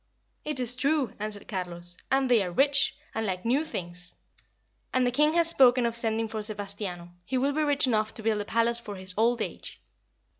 "It is true," answered Carlos. "And they are rich, and like new things; and the king has spoken of sending for Sebastiano. He will be rich enough to build a palace for his old age."